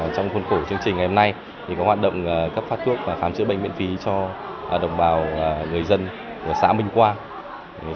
trong khuôn khổ chương trình ngày hôm nay có hoạt động cấp phát thuốc và khám chữa bệnh miễn phí cho đồng bào người dân của xã minh quang